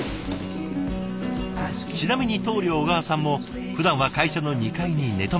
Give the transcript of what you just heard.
ちなみに棟梁小川さんもふだんは会社の２階に寝泊まり。